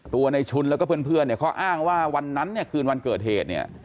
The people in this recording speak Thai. ตัวในชุนแล้วก็เพื่อนเขาอ้างว่าวันนั้นคืนวันเกิดเหตุ